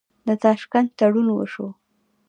د تاشکند تړون وشو.